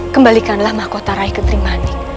kebalikanlah mahkota rai gentrimani